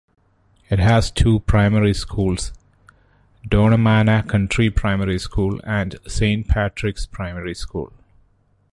It has two primary schools, Donemana County Primary School and Saint Patrick's Primary School.